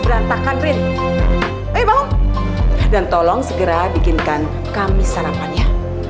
matakan rin dan tolong segera bikinkan kami sarapan ya